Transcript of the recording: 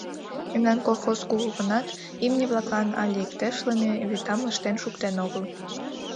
Мемнан колхоз кугу гынат, имне-влаклан але иктешлыме вӱтам ыштен шуктен огыл.